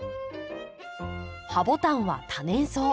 ハボタンは多年草。